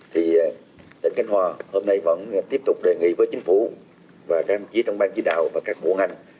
thì tỉnh cánh hòa hôm nay vẫn tiếp tục đề nghị với chính phủ và các vị trí trong bang chỉ đạo và các bộ ngành